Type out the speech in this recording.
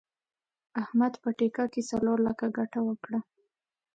احمد په ټېکه کې څلور لکه ګټه وکړه.